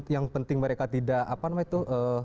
yang penting mereka tidak apa namanya itu